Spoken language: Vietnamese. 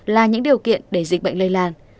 là những điều kiện để dịch bệnh lây lan